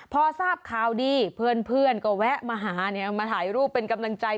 พอทราบข่าวดีเพื่อนก็แวะมาหาเนี่ยมาถ่ายรูปเป็นกำลังใจ